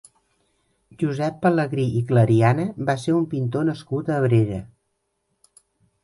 Josep Pelegrí i Clariana va ser un pintor nascut a Abrera.